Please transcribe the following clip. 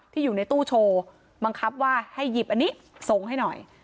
อยู่ในตู้โชว์บังคับว่าให้หยิบอันนี้ส่งให้หน่อย